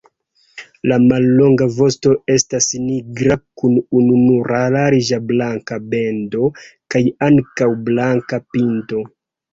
La mallonga vosto estas nigra kun ununura larĝa blanka bendo kaj ankaŭ blanka pinto.